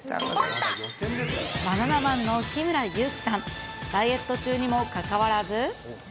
バナナマンの日村勇紀さん、ダイエット中にもかかわらず。